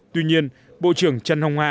tuy nhiên bộ trưởng trần hồng hà